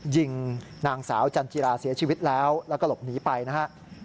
ยิงนางสาวจันจิราเสียชีวิตแล้วแล้วก็หลบหนีไปนะครับ